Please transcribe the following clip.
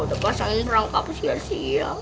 udah pasangin rangkap sia sia